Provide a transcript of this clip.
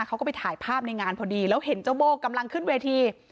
เขาก็ไปถ่ายภาพในงานพอดีแล้วเห็นเจ้าโบ้กำลังขึ้นเวที